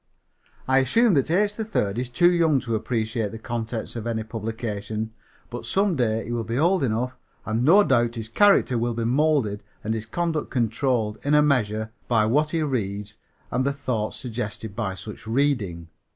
"I assume that H. 3rd is too young to appreciate the contents of any publication, but some day he will be old enough, and no doubt his character will be molded and his conduct controlled, in a measure, by what he reads and the thoughts suggested by such reading.